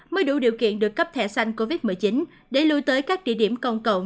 mới đủ điều kiện được cấp thẻ xanh covid một mươi chín để lưu tới các địa điểm công cộng